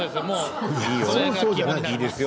いいですよ。